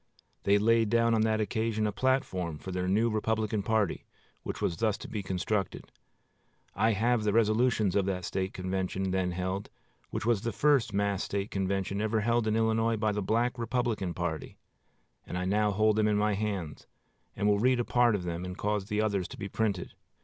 They laid down on that occasion a platform for their new Republican party, which was thus to be constructed. I have the resolutions of the State convention then held, which was the first mass State convention ever held in Illinois by the Black Republican party; and I now hold them in my hands and will read a part of them, and cause the others to be printed.